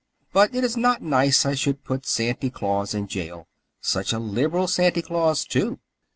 "But it is not nice I should put Santy Claus in jail. Such a liberal Santy Claus, too."